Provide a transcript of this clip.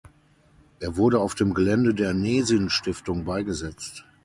Er wurde auf dem Gelände der "Nesin-Stiftung" beigesetzt.